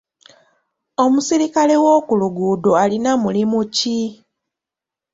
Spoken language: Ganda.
Omusirikale w'okuluguudo alina mulimu ki?